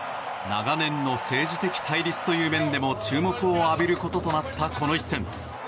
長年の政治的対立という面でも注目を浴びることとなったこの一戦。